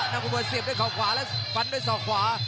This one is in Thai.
น้ำกระบวนเสียบด้วยข่าวขวาและฝันด้วยศอกขวา